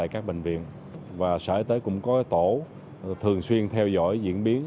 các bệnh viện cũng có tổ thường xuyên theo dõi diễn biến